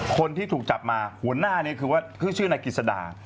คนที่ถูกจับมาหัวหน้านี่คือว่าชื่อนายกิจสดา